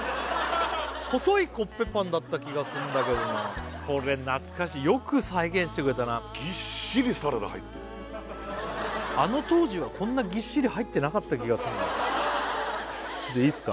気がすんだけどなこれ懐かしいよく再現してくれたなぎっしりサラダ入ってるあの当時はこんなぎっしり入ってなかった気がするちょっといいっすか？